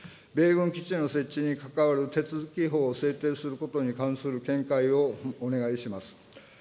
米軍基地の設置に関わる手続法を制定することに関する見解をお願いします。